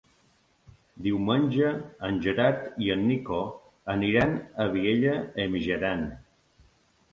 Diumenge en Gerard i en Nico aniran a Vielha e Mijaran.